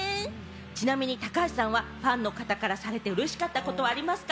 ちなみに高橋さんは、ファンの方からされてうれしかったことはありますか？